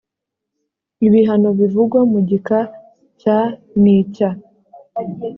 ibihano bivugwa mu gika cya n icya